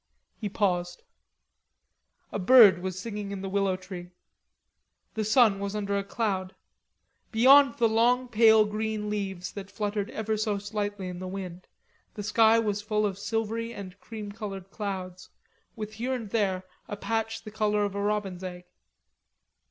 He paused. A bird was singing in the willow tree. The sun was under a cloud; beyond the long pale green leaves that fluttered ever so slightly in the wind, the sky was full of silvery and cream colored clouds, with here and there a patch the color of a robin's egg.